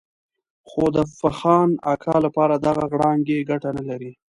خو د فخان اکا لپاره دغه غړانګې ګټه نه لري.